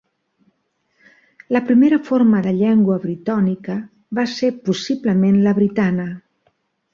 La primera forma de llengua britònica va ser possiblement la britana.